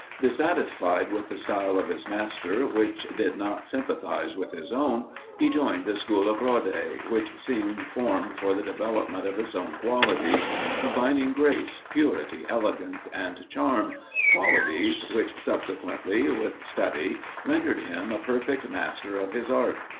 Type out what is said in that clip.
Dissatisfied with the style of his master, which did not sympathise with his own, he joined the school of Rode, which seemed formed for the development of his own qualities, combining grace, purity, elegance, and charm qualities which, subsequently, with study, rendered him a perfect master of his art.